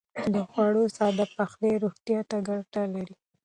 د خوړو ساده پخلی روغتيا ته ګټه لري.